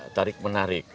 itu selama ini masih ada